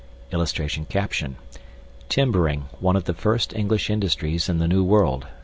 [Illustration: TIMBERING ONE OF THE FIRST ENGLISH INDUSTRIES IN THE NEW WORLD.